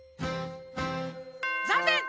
ざんねん！